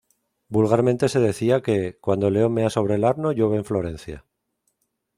Vulgarmente se decía que: "Cuando el león mea sobre el Arno llueve en Florencia".